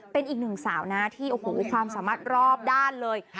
เป็นอีกหนึ่งสาวนะที่โอ้โหความสามารถรอบด้านเลย